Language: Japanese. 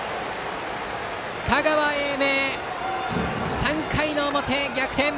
香川・英明、３回の表、逆転！